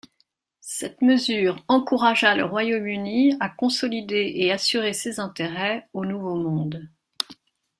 Cette mesure encouragea le Royaume-Uni à consolider et assurer ses intérêts au Nouveau Monde.